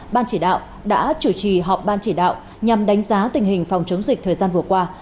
ban chỉ đạo đã chủ trì họp ban chỉ đạo nhằm đánh giá tình hình phòng chống dịch thời gian vừa qua